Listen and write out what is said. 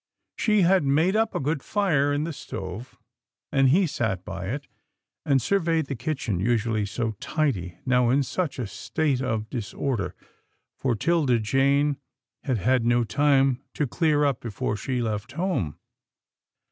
She had made up a good fire in the stove, and he sat by it, and sur veyed the kitchen usually so tidy, now in such a state of disorder, for 'Tilda Jane had had no time to clear up before she left home.